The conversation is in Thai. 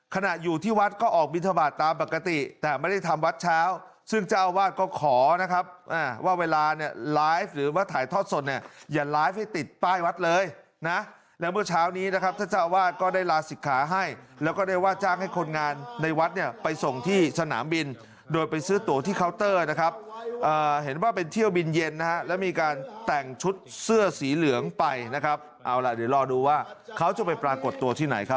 ขณะอยู่ที่วัดก็ออกบินธบาทตามปกติแต่ไม่ได้ทำวัดเช้าซึ่งเจ้าว่าก็ขอนะครับว่าเวลาเนี่ยไลฟ์หรือว่าถ่ายทอดส่วนเนี่ยอย่าไลฟ์ให้ติดป้ายวัดเลยนะแล้วเมื่อเช้านี้นะครับเจ้าว่าก็ได้ลาศิกขาให้แล้วก็ได้ว่าจ้างให้คนงานในวัดเนี่ยไปส่งที่สนามบินโดยไปซื้อตัวที่เคาน์เตอร์นะครับเห็นว